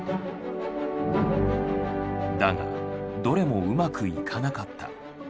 だがどれもうまくいかなかった。